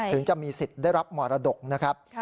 ถึงจะมีสิทธิ์ได้รับมรดกนะครับ